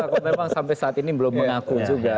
kalau memang sampai saat ini belum mengaku juga